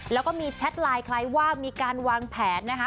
แล้วก็มีแชทไลน์คล้ายว่ามีการวางแผนนะคะ